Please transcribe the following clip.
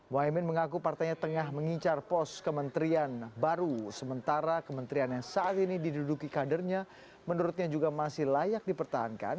mohaimin mengaku partainya tengah mengincar pos kementerian baru sementara kementerian yang saat ini diduduki kadernya menurutnya juga masih layak dipertahankan